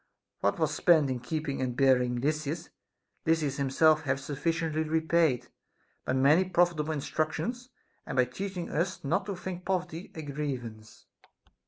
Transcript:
What was spent in keeping and burying Lysis, Lysis himself hath sufficiently repaid, by many profitable instructions, and by teaching us not to think poverty a grievance.